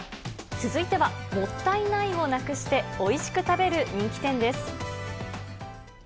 続いては、もったいないをなくして、おいしく食べる人気店です。